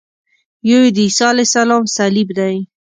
یو یې د عیسی علیه السلام صلیب دی.